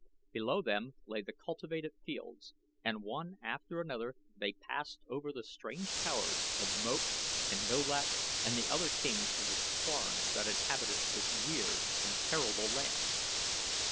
Below them lay the cultivated fields, and one after another they passed over the strange towers of Moak and Nolach and the other kings of the swarms that inhabited this weird and terrible land.